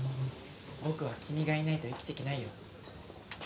僕は君がいないと生きていけないよ。